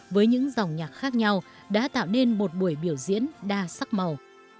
với những dòng nhạc khác nhau đã tạo nên một buổi biểu diễn đa sắc màu